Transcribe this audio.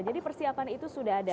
jadi persiapan itu sudah ada